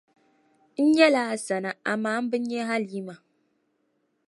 N nyala Hasana amaa m bi nya Halima.